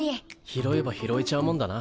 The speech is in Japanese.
拾えば拾えちゃうもんだな。